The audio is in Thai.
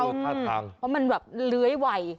ว่ามันแบบเล้ยไหว